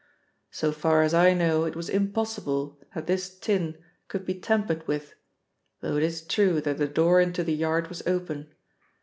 So far as I know it was impossible that this tin could be tampered with, though it is true that the door into the yard was open.